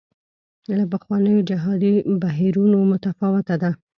له پخوانیو جهادي بهیرونو متفاوته ده.